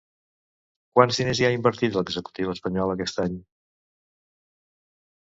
Quants diners hi ha invertit l'executiu espanyol aquest any?